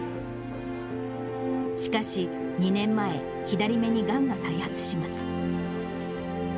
しかし、２年前、左目にがんが再発します。